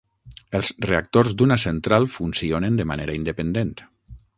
Els reactors d'una central funcionen de manera independent.